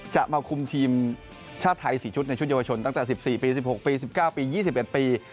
จะมาคุมทีมชาติไทย๔ชุดในชุดเยาวชนตั้งแต่๑๔ปี๑๖ปี๑๙ปี๒๑ปี